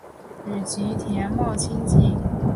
与吉田茂亲近。